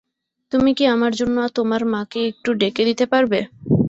তুমি কি আমার জন্য তোমার মাকে একটু ডেকে দিতে পারবে?